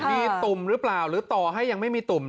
มีตุ่มหรือเปล่าหรือต่อให้ยังไม่มีตุ่ม